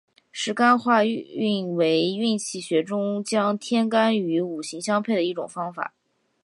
十干化运为运气学说中将天干与五行相配的一种方法。